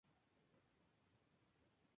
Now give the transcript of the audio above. Countdown", "Music Bank" y "Show!